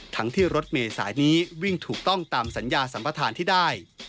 ทั้งที่รถเมษายนี้วิ่งถูกต้องตามสัญญาสัมปทานที่ได้